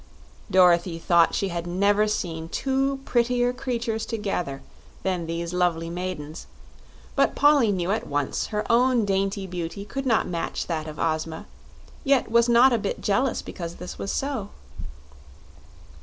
Dorothy thought she had never seen two prettier creatures together than these lovely maidens; but Polly knew at once her own dainty beauty could not match that of Ozma, yet was not a bit jealous because this was so.